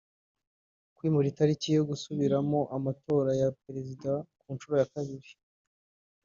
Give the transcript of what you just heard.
kwimura italiki yo gusubiramo amatora ya perezida ku nshuro ya kabiri